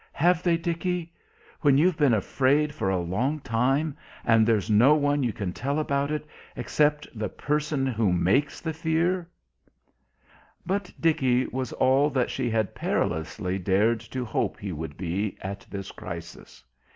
have they, Dickie? When you've been afraid for a long time and there's no one you can tell about it except the person who makes the fear...." But Dickie was all that she had perilously dared to hope he would be at this crisis.